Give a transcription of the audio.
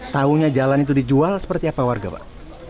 tahunya jalan itu dijual seperti apa warga pak